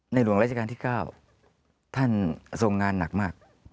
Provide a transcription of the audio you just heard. หลวงราชการที่๙ท่านทรงงานหนักมาก